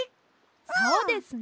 そうですね！